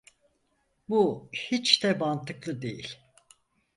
Bu hiç de mantıklı değil.